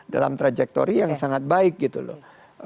dalam trajektori yang sangat baik gitu loh